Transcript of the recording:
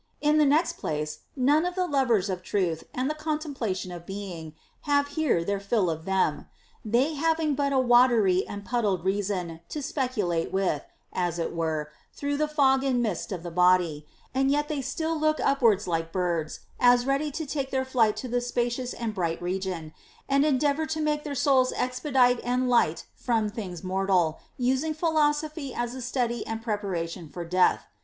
In the next place, none of the lovers of truth and the contemplation of being have here their fill of them ; they having but a watery and puddled reason to speculate with, as it were, through the fog and mist of the body ; and yet they still look upwards like birds, as ready to take their flight to the spacious and bright region, and endeavor to make their souls expedite and light from things mortal, using philosophy as a study and preparation for death.